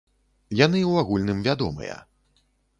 Яны ў агульным вядомыя.